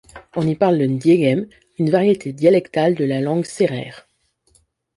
On y parle le ndiéghem, une variété dialectale de la langue sérère.